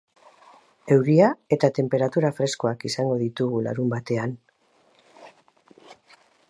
Euria eta tenperatura freskoak izango ditugu larunbatean.